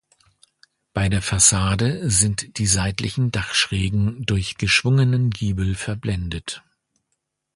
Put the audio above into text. Bei der Fassade sind die seitlichen Dachschrägen durch geschwungenen Giebel verblendet.